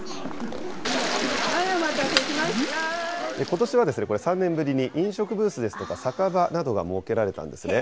ことしは３年ぶりに飲食ブースですとか、酒場などが、設けられたんですね。